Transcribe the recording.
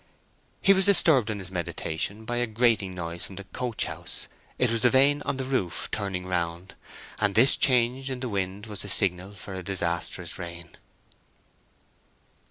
He was disturbed in his meditation by a grating noise from the coach house. It was the vane on the roof turning round, and this change in the wind was the signal for a disastrous rain.